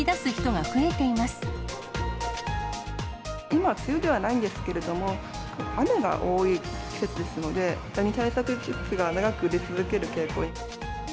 今、梅雨ではないんですけれども、雨が多い季節ですので、ダニ対策グッズが長く売れ続ける傾向。